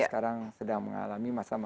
sekarang sedang mengalami masa masa